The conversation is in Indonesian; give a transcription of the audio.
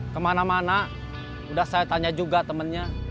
kemana mana udah saya tanya juga temennya